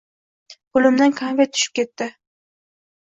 Qo‘limdan konfet tushib ketdi.